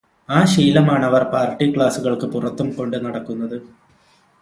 ആ ശീലമാണവർ പാർടി ക്ലാസുകൾക്ക് പുറത്തും കൊണ്ടു നടക്കുന്നത്.